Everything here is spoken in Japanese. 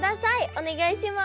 お願いします。